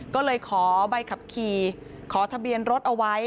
ก็เลยขอใบขับขี่ขอทะเบียนรถเอาไว้